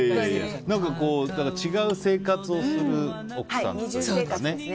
違う生活をする奥さんっていうね。